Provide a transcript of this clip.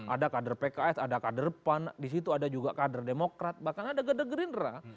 ada kader pks ada kader pan di situ ada juga kader demokrat bahkan ada kader gerindra